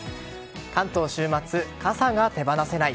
関東週末、傘が手放せない。